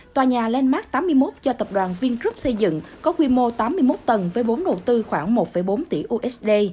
tòa nhà landmark tám mươi một do tập đoàn vingroup xây dựng có quy mô tám mươi một tầng với vốn đầu tư khoảng một bốn tỷ usd